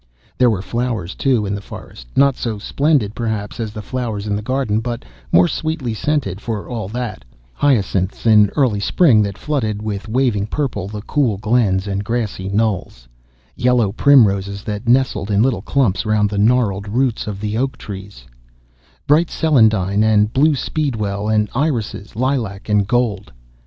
There were flowers, too, in the forest, not so splendid, perhaps, as the flowers in the garden, but more sweetly scented for all that; hyacinths in early spring that flooded with waving purple the cool glens, and grassy knolls; yellow primroses that nestled in little clumps round the gnarled roots of the oak trees; bright celandine, and blue speedwell, and irises lilac and gold.